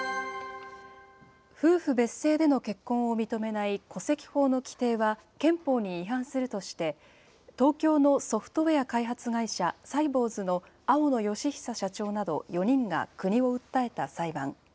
夫婦別姓での結婚を認めない戸籍法の規定は、憲法に違反するとして、東京のソフトウエア開発会社、サイボウズの青野慶久社長など４人が国を訴えた裁判。